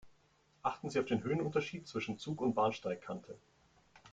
Achten Sie auf den Höhenunterschied zwischen Zug und Bahnsteigkante.